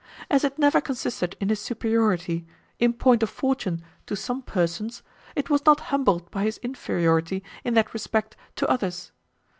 As it never consisted in his superiority, in point of fortune, to some persons, it was not humbled by his inferiority, in that respect, to others.